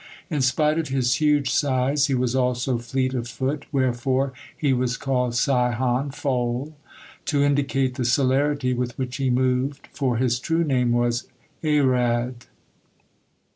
In spite of his huge size he was also fleet of foot, wherefore he was called Sihon, "foal," to indicate the celerity with which he moved, for his true name was Arad.